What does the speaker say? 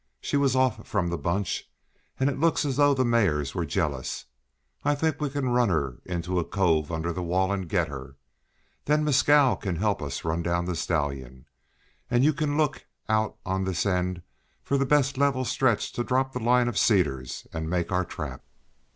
She was off from the bunch, and it looks as though the mares were jealous. I think we can run her into a cove under the wall, and get her. Then Mescal can help us run down the stallion. And you can look out on this end for the best level stretch to drop the line of cedars and make our trap."